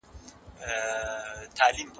علمي لیدلوری ستونزې کموي.